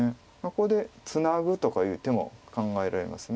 ここでツナぐとかいう手も考えられます。